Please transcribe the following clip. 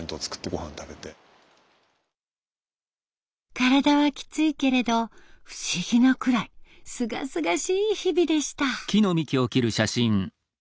体はきついけれど不思議なくらいすがすがしい日々でした。